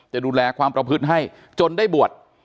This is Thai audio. จะดูแลความประพฤติให้จนได้บวช